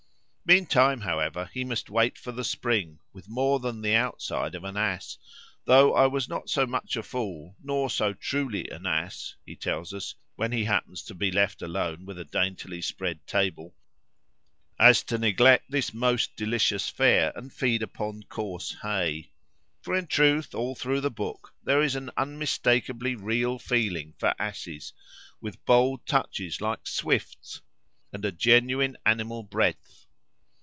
Meantime, however, he must wait for the spring, with more than the outside of an ass; "though I was not so much a fool, nor so truly an ass," he tells us, when he happens to be left alone with a daintily spread table, "as to neglect this most delicious fare, and feed upon coarse hay." For, in truth, all through the book, there is an unmistakably real feeling for asses, with bold touches like Swift's, and a genuine animal breadth.